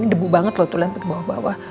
ini debu banget loh tuh lampu di bawah bawah